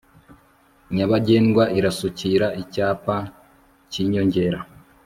nyabagendwa irasukira icyapa cy inyongera